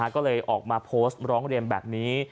ก็เลยออกมาโพสต์ร้องเรียนแบบนี้